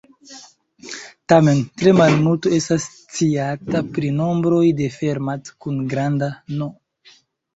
Tamen, tre malmulto estas sciata pri nombroj de Fermat kun granda "n".